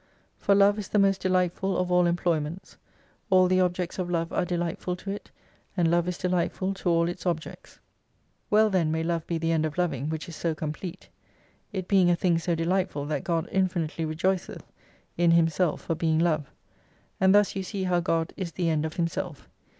For Love is the most delightful of all employments. All the objects of Love are deUghtful to it, and Love is delightful to all its objects. Well then may Love be the end of loving, which is so complete. It being a thing so delightful, that God infinitely rejoiceth m Himself for being Love. And thus you see how God is the end of Himself.